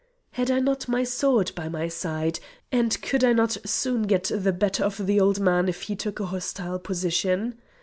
Had I not my sword by my side, and could I not soon get the better of the old man if he took a hostile position?